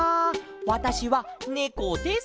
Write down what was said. わたしはねこです」。